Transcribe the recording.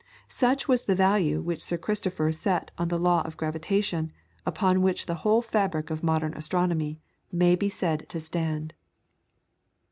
Such was the value which Sir Christopher set on the Law of Gravitation, upon which the whole fabric of modern astronomy may be said to stand.